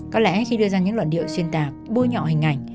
có lẽ khi đưa ra những luận điệu xuyên tạc bôi nhọ hình ảnh